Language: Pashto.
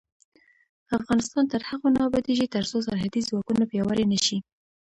افغانستان تر هغو نه ابادیږي، ترڅو سرحدي ځواکونه پیاوړي نشي.